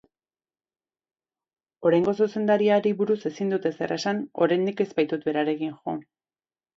Oraingo zuzendariari buruz ezin dut ezer esan, oraindik ez baitut berarekin jo.